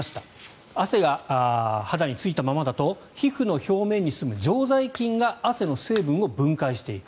汗が肌についたままだと皮膚の表面にすむ常在菌汗の成分を分解していく。